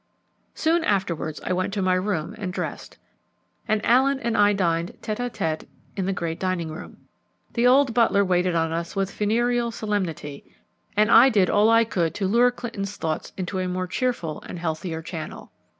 Soon afterwards I went to my room and dressed; and Allen and I dined tête à tête in the great dining room. The old butler waited on us with funereal solemnity, and I did all I could to lure Clinton's thoughts into a more cheerful and healthier channel.